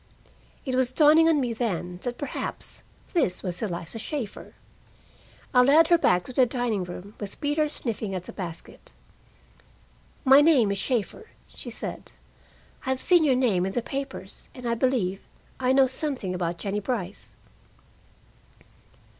It was dawning on me then that perhaps this was Eliza Shaeffer. I led her back to the dining room, with Peter sniffing at the basket. "My name is Shaeffer," she said. "I've seen your name in the papers, and I believe I know something about Jennie Brice."